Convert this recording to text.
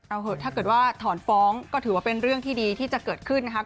เอาเหอะถ้าเกิดว่าถอนฟ้องก็ถือว่าเป็นเรื่องที่ดีที่จะเกิดขึ้นนะครับ